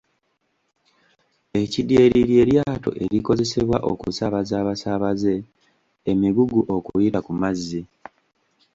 Ekidyeri lye lyato erikozesebwa okusaabaza abasaabaze, emigugu okuyita ku mazzi.